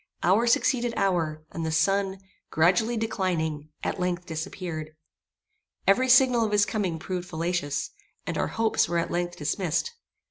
Hour succeeded hour, and the sun, gradually declining, at length, disappeared. Every signal of his coming proved fallacious, and our hopes were at length dismissed.